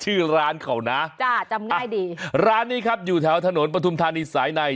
ชื่อร้านเขานะจ้ะจำง่ายดีร้านนี้ครับอยู่แถวถนนปฐุมธานีสายใน